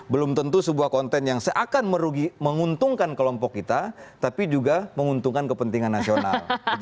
belum tentu sebuah konten yang seakan merugi menguntungkan kelompok kita tapi juga menguntungkan kepentingan nasional